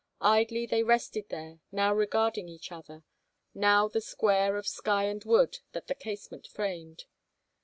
Idly they rested there, now regarding each other, now the square of sky and wood that the casement framed.